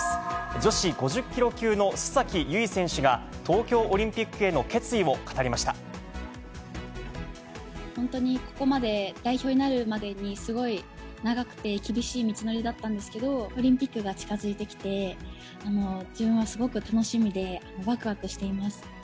女子５０キロ級の須崎優衣選手が、東京オリンピックへの決意を語り本当にここまで、代表になるまでに、すごい長くて厳しい道のりだったんですけれども、オリンピックが近づいてきて、自分はすごく楽しみでわくわくしています。